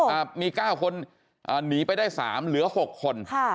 อ่ามีเก้าคนอ่าหนีไปได้สามเหลือหกคนค่ะ